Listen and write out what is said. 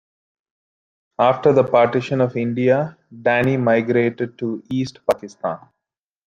After the Partition of India, Dani migrated to East Pakistan.